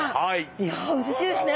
いやうれしいですね。